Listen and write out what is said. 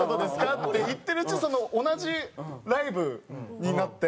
っていってるうちに同じライブになって。